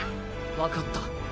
分かった。